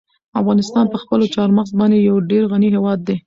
افغانستان په خپلو چار مغز باندې یو ډېر غني هېواد دی.